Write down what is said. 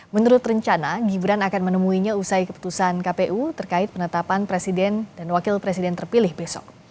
menurut rencana gibran akan menemuinya usai keputusan kpu terkait penetapan presiden dan wakil presiden terpilih besok